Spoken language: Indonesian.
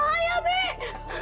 bi gaisah dalam bahaya